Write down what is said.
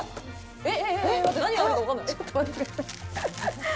えっ？